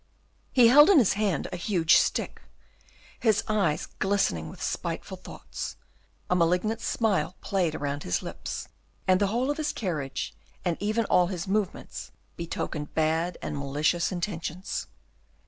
He held in his hand a huge stick, his eyes glistening with spiteful thoughts, a malignant smile played round his lips, and the whole of his carriage, and even all his movements, betokened bad and malicious intentions.